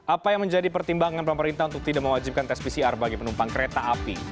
apa yang menjadi pertimbangan pemerintah untuk tidak mewajibkan tes pcr bagi penumpang kereta api